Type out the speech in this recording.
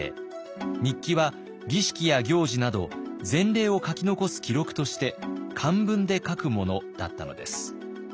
日記は儀式や行事など前例を書き残す記録として漢文で書くものだったのです。